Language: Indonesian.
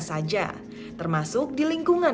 saja termasuk di lingkungan